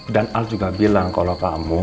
dan al juga bilang kalau kamu